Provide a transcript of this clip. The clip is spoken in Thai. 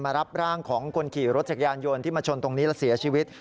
รับร่างของคนขี่รถจักรยานยนต์ที่มาชนตรงนี้แล้วเสียชีวิต